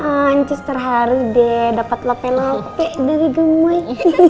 ancus terharu deh dapat lope lope dari gemoy